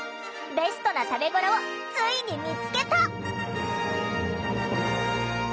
ベストな食べごろをついに見つけた！